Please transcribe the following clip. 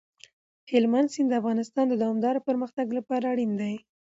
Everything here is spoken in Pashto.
هلمند سیند د افغانستان د دوامداره پرمختګ لپاره اړین دی.